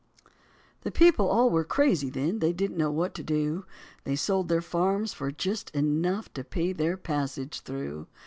The people all were crazy then, they didn't know what to do. They sold their farms for just enough to pay their passage through.